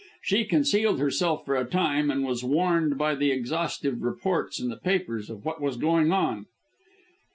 She concealed herself for a time, and was warned by the exhaustive reports in the papers of what was going on."